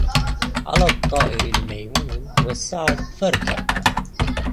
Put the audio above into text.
على الطائر الميمون والسعد فاركب